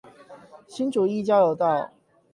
新竹一交流道